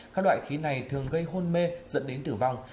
các loại khí này thường gây hôn mê dẫn đến tử vong